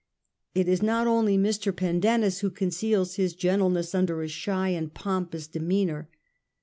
It is not only Mr. Pendennis who conceals his gentleness under a shy and pompous demeanour.